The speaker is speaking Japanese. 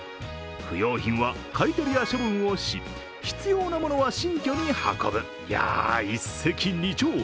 不用品は買い取りや処分をし必要なものは新居に運ぶいや、一石二鳥。